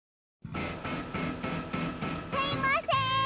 すいません！